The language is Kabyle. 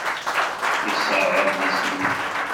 Yesserɣ adlis-nni.